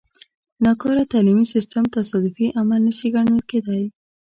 ناکاره تعلیمي سیستم تصادفي عمل نه شي ګڼل کېدای.